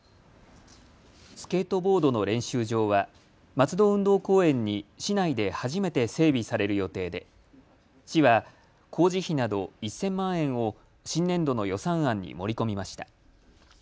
スケートボードの練習場は松戸運動公園に市内で初めて整備される予定で市は工事費など１０００万円を新年度の予算案に盛り込みました。